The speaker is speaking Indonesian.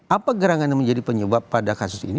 apa gerangan yang menjadi penyebab pada kasus ini